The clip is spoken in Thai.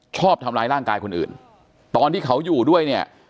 ชอบทำร้ายร่างกายคนอื่นตอนที่เขาอยู่ด้วยเนี่ย